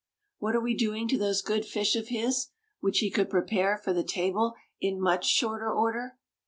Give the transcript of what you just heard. What are we doing to those good fish of his, which he could prepare for the table in much shorter order?